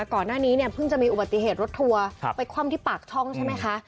ก่อนหน้านี้เนี่ยเพิ่งจะมีอุบัติเหตุรถทัวร์ไปคว่ำที่ปากช่องใช่ไหมคะ